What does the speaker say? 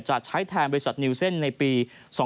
จะใช้แทนบริษัทนิวเซ่นในปี๒๕๖